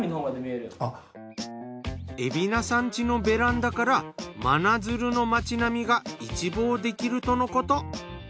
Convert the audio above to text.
海老名さんちのベランダから真鶴の町並みが一望できるとのこと。